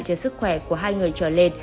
cho sức khỏe của hai người trở lên